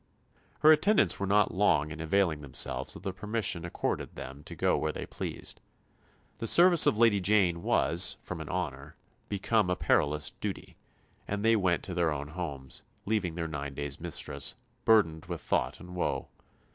Her attendants were not long in availing themselves of the permission accorded them to go where they pleased. The service of Lady Jane was, from an honour, become a perilous duty; and they went to their own homes, leaving their nine days' mistress "burdened with thought and woe."